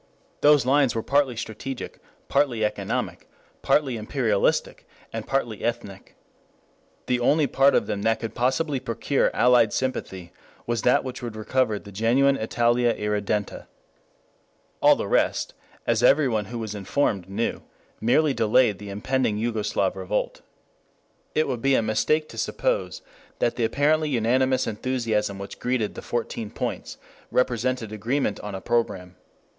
Those lines were partly strategic, partly economic, partly imperialistic, partly ethnic. The only part of them that could possibly procure allied sympathy was that which would recover the genuine Italia Irredenta. All the rest, as everyone who was informed knew, merely delayed the impending Jugoslav revolt. 5 It would be a mistake to suppose that the apparently unanimous enthusiasm which greeted the Fourteen Points represented agreement on a program.